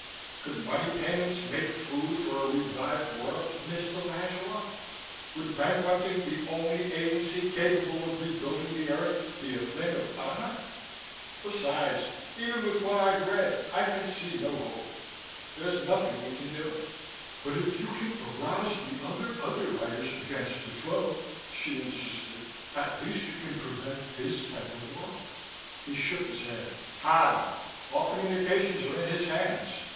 Could money payments make food for a revived world, Miss dell'Angela? Would bankrupting the only agency capable of rebuilding the Earth be a thing of honor? Besides, even with what I've read, I can see no hope. There's nothing we can do." "But if you can arouse the other Underwriters against Defoe," she insisted, "at least you can prevent his type of world!" He shook his head. "How? All communications are in his hands.